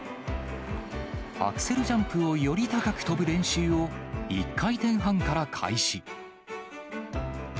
アクセルジャンプをより高く跳ぶ練習を１回転半から開始。